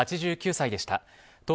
８９歳でした。